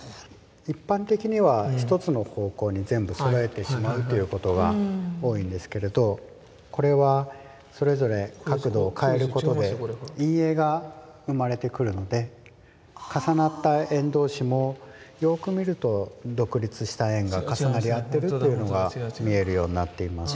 一般的には一つの方向に全部そろえてしまうということが多いんですけれどこれはそれぞれ角度を変えることで陰影が生まれてくるので重なった円同士もよく見ると独立した円が重なり合ってるっていうのが見えるようになっています。